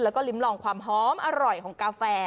แล้วก็ลิ้มลองความหอมอร่อยของกาแฟ